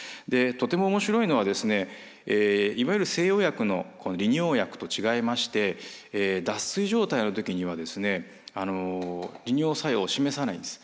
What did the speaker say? とても面白いのはいわゆる西洋薬の利尿薬と違いまして脱水状態の時には利尿作用を示さないんです。